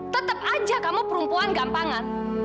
tetap aja kamu perempuan gampangan